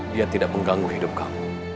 dia tidak mengganggu hidup kamu